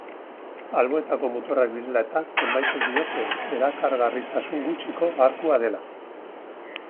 Alboetako muturrak direla eta, zenbaitek diote erakargarritasun gutxiko arkua dela.